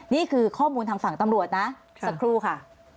นี่คือข้อมูลทางฝั่งตำรวจนะสักครู่ค่ะ